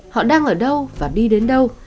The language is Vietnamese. họ đang ở đâu và đi đến đâu